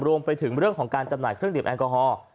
รวมไปถึงเรื่องของการจำหน่ายเครื่องดื่มแอลกอฮอล์